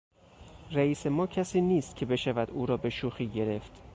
رییس ما کسی نیست که بشود او را به شوخی گرفت.